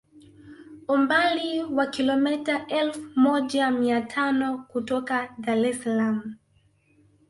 Umbali wa kilometa elfu moja mia tano kutoka Dar es Salaam